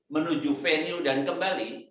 menuju venue dan kembali